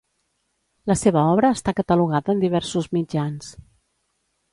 La seva obra està catalogada en diversos mitjans.